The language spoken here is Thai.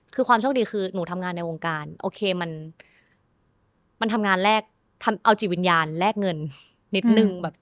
คือความโชคดีคือหนูทำงานในวงการโอเคมันทำงานแลกทำเอาจิตวิญญาณแลกเงินนิดนึงแบบ